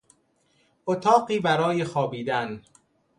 اتاقی برای خوابیدن